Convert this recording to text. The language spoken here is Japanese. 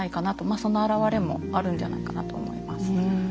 その表れもあるんじゃないかなと思います。